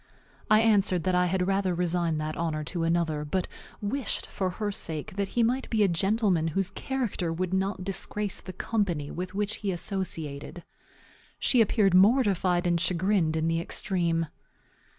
I answered that I had rather resign that honor to another, but wished, for her sake, that he might be a gentleman whose character would not disgrace the company with which he associated. She appeared mortified and chagrined in the extreme.